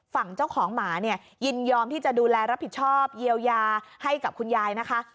ฝั่งเจ้าของหมาเนี่ยยินยอมที่จะดูแลรับผิดชอบเยียวยาให้กับคุณยายนะคะ